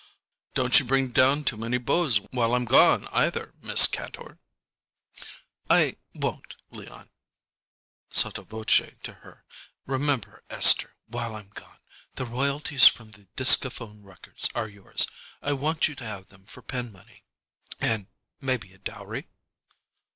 "Don't you bring down too many beaux while I'm gone, either, Miss Kantor!" "I won't, Leon." Sotto voce to her: "Remember, Esther, while I'm gone, the royalties from the discaphone records are yours. I want you to have them for pin money and maybe a dowry?"